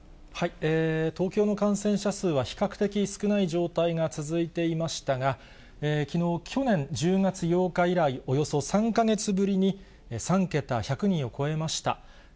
東京の感染者数は比較的少ない状態が続いていましたが、きのう、１０月８日以来およそ３か月ぶりに３桁、１００人を超えました。